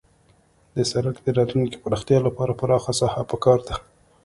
د سرک د راتلونکي پراختیا لپاره پراخه ساحه پکار ده